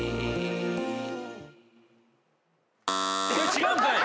違うんかい！